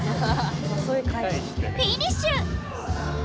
フィニッシュ！